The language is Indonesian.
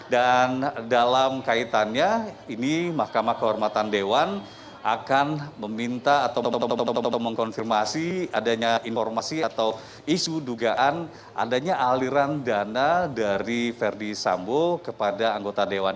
dan dalam kaitannya ini mahkamah kehormatan dewan akan meminta atau mengkonfirmasi adanya informasi atau isu dugaan adanya aliran dana dari ferdis sambo kepada anggota dewan ini